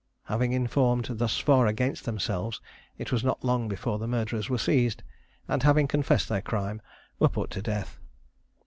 Having informed thus far against themselves, it was not long before the murderers were seized, and, having confessed their crime, were put to death.